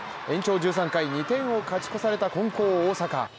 延長１３回、２点を勝ち越された金光大阪。